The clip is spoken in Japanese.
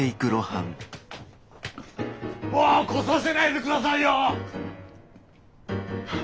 もう来させないでくださいよッ！